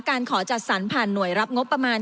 การขอจัดสรรผ่านหน่วยรับงบประมาณ